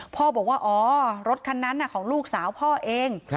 พ่อบอกว่าอ๋อรถคันนั้นของลูกสาวพ่อเอง